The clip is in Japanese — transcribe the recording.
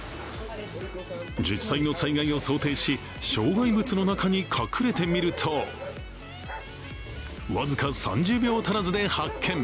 実際の災害を想定し、障害物の中に隠れてみると僅か３０秒足らずで発見。